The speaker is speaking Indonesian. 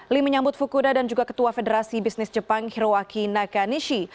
lee menyambut fukuda dan juga ketua federasi bisnis jepang hiroaki nakanishi